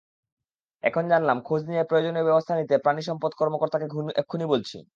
এখন জানলাম, খোঁজ নিয়ে প্রয়োজনীয় ব্যবস্থা নিতে প্রািণসম্পদ কর্মকর্তাকে এক্ষুনি বলছি।